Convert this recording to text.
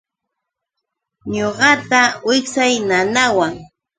Ñuqata wiksay nanawaq.